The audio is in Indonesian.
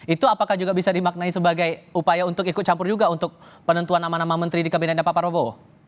itu apakah juga bisa dimaknai sebagai upaya untuk ikut campur juga untuk penentuan nama nama menteri di kabinet pak prabowo